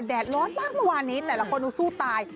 แดดร้อนมากระวันนี้แต่ละคนอุตสู้ตาย